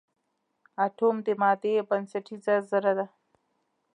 اټوم د مادې بنسټیزه ذره ده.